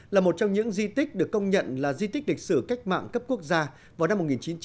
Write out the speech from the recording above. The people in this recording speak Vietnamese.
là một trong những di tích được công nhận là di tích lịch sử cách mạng cấp quốc gia vào năm một nghìn chín trăm bốn mươi